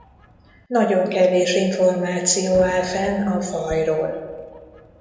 Nagyon kevés információ áll fenn a fajról.